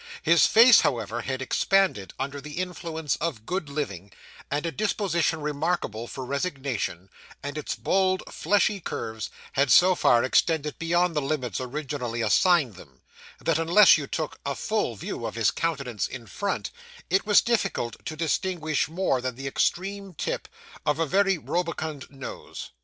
His face, however, had expanded under the influence of good living, and a disposition remarkable for resignation; and its bold, fleshy curves had so far extended beyond the limits originally assigned them, that unless you took a full view of his countenance in front, it was difficult to distinguish more than the extreme tip of a very rubicund nose.